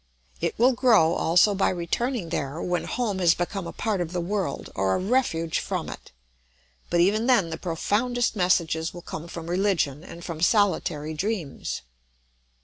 It will grow also by returning there, when home has become a part of the world or a refuge from it; but even then the profoundest messages will come from religion and from solitary dreams.